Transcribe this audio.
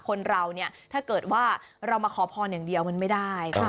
คนเราเนี่ยถ้าเกิดว่าเรามาขอพรอย่างเดียวมันไม่ได้